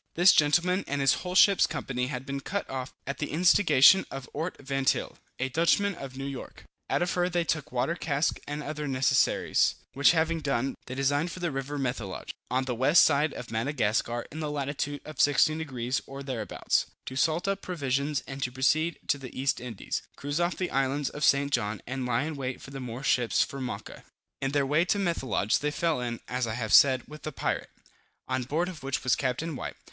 This gentleman and his whole ship's company had been cut off at the instigation of Ort Vantyle, a Dutchman of New York. Out of her they took water casks and other necessaries; which having done, they designed for the river Methelage, on the west side of Madagascar, in the lat. of 16 degrees or thereabouts, to salt up provisions and to proceed to the East Indies, cruise off the islands of St. John, and lie in wait for the Moor ships from Mocha. In their way to Methelage they fell in (as I have said) with the pirate, on board of which was Capt. White.